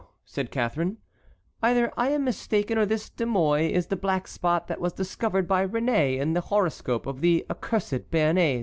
said Catharine, "either I am mistaken or this De Mouy is the black spot that was discovered by Réné in the horoscope of the accursed Béarnais."